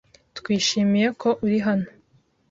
Twishimiye ko uri hano.